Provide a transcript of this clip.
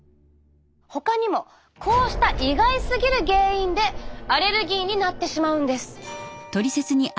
ほかにもこうした意外すぎる原因でアレルギーになってしまうんです。